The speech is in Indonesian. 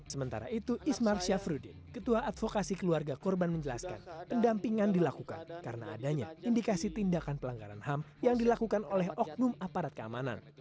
sementara itu ismar syafruddin ketua advokasi keluarga korban menjelaskan pendampingan dilakukan karena adanya indikasi tindakan pelanggaran ham yang dilakukan oleh oknum aparat keamanan